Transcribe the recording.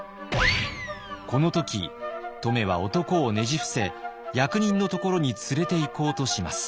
この時乙女は男をねじ伏せ役人のところに連れていこうとします。